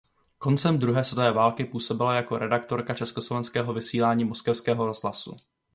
Koncem druhé světové války působila jako redaktorka československého vysílání moskevského rozhlasu.